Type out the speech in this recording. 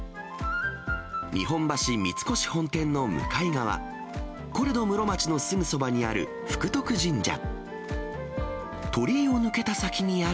日本橋三越本店の向かい側、コレド室町のすぐそばにある福徳神社。